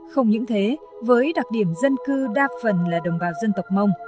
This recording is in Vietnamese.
không những thế với đặc điểm dân cư đa phần là đồng bào dân tộc mông